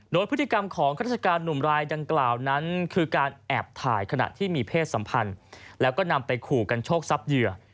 โดยพฤติกรรมของข้าราชการหนุ่มรายดังกล่าวนั้นคือการแอบถ่ายขณะที่มีเพศสัมพันธ์แล้วก็นำไปขู่กันโชคทรัพย์เหยื่อ